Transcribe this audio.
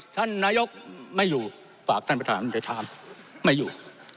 ท่านนายกไม่อยู่ฝากท่านประธานเดี๋ยวถามไม่อยู่